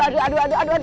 aduh aduh aduh aduh aduh